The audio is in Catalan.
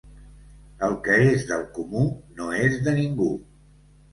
El que és del comú no és de ningú.